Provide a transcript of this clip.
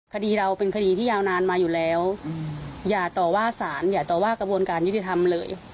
คดีเราเป็นคดีที่ยาวนานมาอยู่แล้วอย่าต่อว่าสารอย่าต่อว่ากระบวนการยุติธรรมเลย